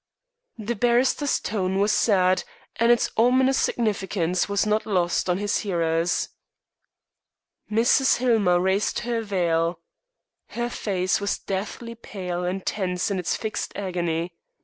The barrister's tone was sad, and its ominous significance was not lost on his hearers. Mrs. Hillmer raised her veil. Her face was deathly pale and tense in its fixed agony.